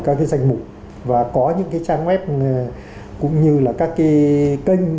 các cái danh mục và có những cái trang web cũng như là các cái kênh